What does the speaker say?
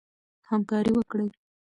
همکاري وکړئ.